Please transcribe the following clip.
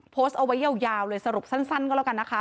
โพสต์เอาไว้ยาวเลยสรุปสั้นก็แล้วกันนะคะ